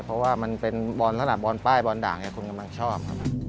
เพราะว่ามันเป็นบอลสนักบอลป้ายบอลด่างอย่างคุณกำลังชอบ